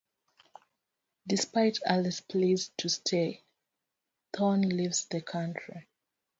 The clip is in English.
Despite Alice's pleas to stay, Thorne leaves the country.